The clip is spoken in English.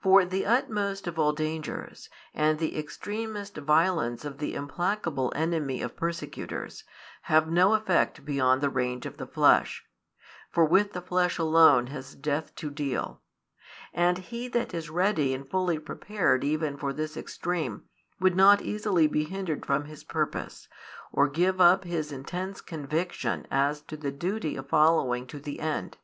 For the utmost of all danger, and the extremest violence of the implacable enmity of persecutors, have no effect beyond the range of the flesh; for with the flesh alone has death to deal: and he that is ready and fully prepared even for this extreme, would not easily be hindered from his purpose, or give up his intense conviction as to the duty of following to the end.